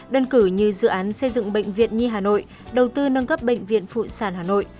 đơn cử như dự án xây dựng bệnh viện nhi hà nội đầu tư nâng cấp bệnh viện phụ sản hà nội